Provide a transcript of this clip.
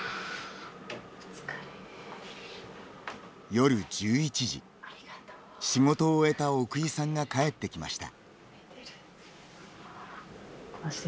夜１１時、仕事を終えた奧井さんが帰ってきました。